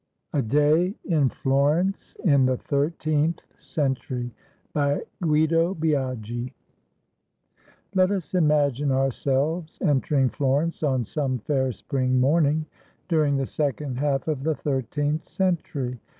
A DAY IN FLORENCE, IN THE THIRTEENTH CENTURY BY GUIDO BIAGI Let us imagine ourselves entering Florence on some fair spring morning during the second half of the thir teenth century.